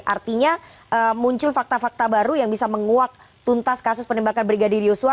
artinya muncul fakta fakta baru yang bisa menguak tuntas kasus penembakan brigadir yosua